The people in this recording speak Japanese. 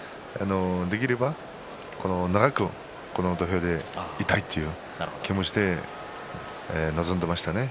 できれば長く土俵で土俵にいたいという気持ちで臨んでいましたね。